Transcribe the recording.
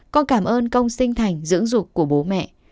con cảm ơn công sinh thành dưỡng dục của bố mẹ